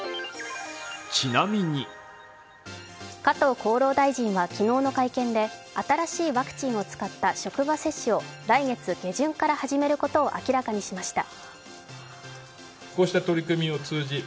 加藤厚労大臣は昨日の会見で、新しいワクチンを使った職場接種を来月下旬から始めることを明らかにしました。